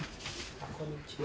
こんにちは。